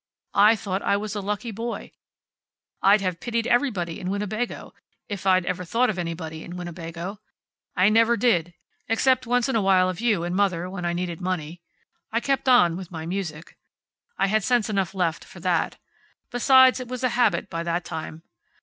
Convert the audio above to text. I thought I was a lucky boy. I'd have pitied everybody in Winnebago, if I'd ever thought of anybody in Winnebago. I never did, except once in a while of you and mother when I needed money. I kept on with my music. I had sense enough left, for that. Besides, it was a habit, by that time.